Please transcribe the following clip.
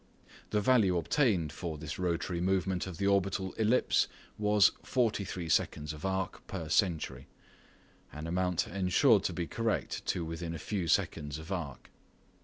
The value obtained for this rotary movement of the orbital ellipse was 43 seconds of arc per century, an amount ensured to be correct to within a few seconds of arc.